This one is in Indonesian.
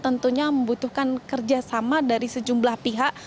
tentunya membutuhkan kerjasama dari sejumlah pihak